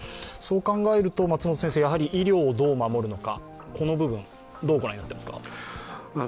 そう考えると、医療をどう守るのかどうご覧になりますか？